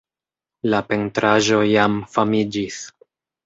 La pentraĵo jam famiĝis.